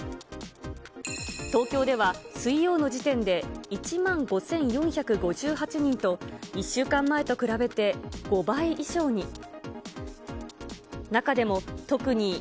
東京では水曜の時点で１万５４５８人と、１週間前と比べて５倍以上に。